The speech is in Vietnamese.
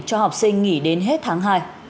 cho học sinh nghỉ đến hết tháng hai